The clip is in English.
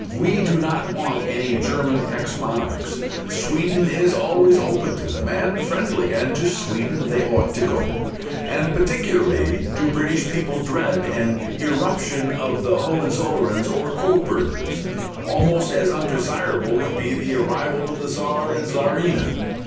We do not want any German ex monarchs; Sweden is always open to them and friendly, and to Sweden they ought to go; and particularly do British people dread an irruption of Hohenzollerns or Coburgers. Almost as undesirable would be the arrival of the Czar and Czarina.